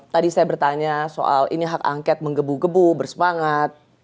tadi saya bertanya soal ini hak angket menggebu gebu bersemangat